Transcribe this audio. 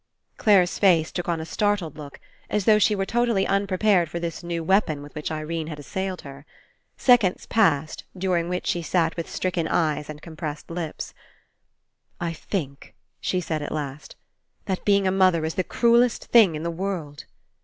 Clare's face took on a startled look, as though she were totally unprepared for this new weapon with which Irene had assailed her. Seconds passed, during which she sat with stricken eyes and compressed lips. "I think," she said at last, "that being a mother is the cruellest thing in the world."